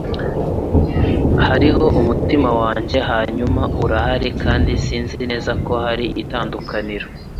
Hariho umutima wanjye, hanyuma urahari, kandi sinzi neza ko hari itandukaniro